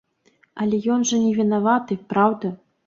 Але ён жа не вінаваты, праўда?